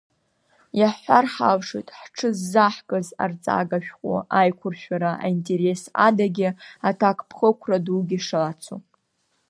Иаҳҳәар ҳалшоит, ҳҽыззаҳкыз арҵага шәҟәы аиқәыршәара аинтерес адагьы аҭакԥхықәра дугьы шацу.